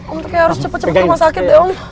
om kayaknya harus cepet cepet ke rumah sakit deh om